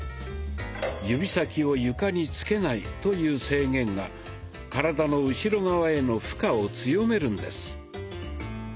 「指先を床に着けない」という制限が体の後ろ側への負荷を強めるんです。